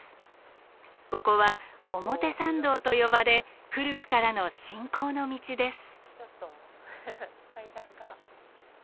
ここは表参道と呼ばれ古くからの信仰の道です。